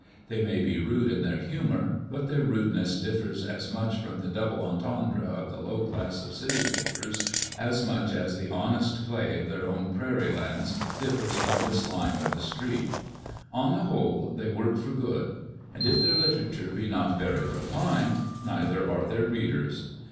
They may he rude in their humour, but their rudeness differs as much from the double entendre of the low class of city papers as much as the honest clay of their own prairie lands differs from the slime of the street. On the whole, they work for good ; and if their literature be not very refined, neither are their readers.